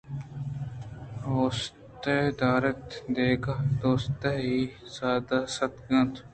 آدوستے داریت یادگہ دوستی ءِ ساد سستگ اَنت